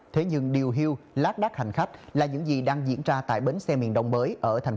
tuy nhiên thống kê sản lượng xuất bến tháng bốn